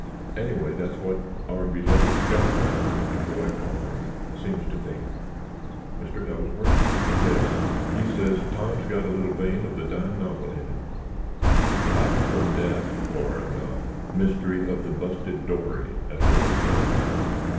Anyway, that's what 'our beloved scoutmaster' as Roy calls him, seems to think." "Mr. Ellsworth?" "Yes. He says Tom's got a little vein of the dime novel in him—'Back From Death' or the 'Mystery of the Busted Dory' as Roy says.